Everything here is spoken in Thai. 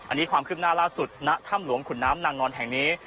อันนี้ความคืบหน้าล่าสุดณถ้ำหลวงขุนน้ำนางนอนแห่งนี้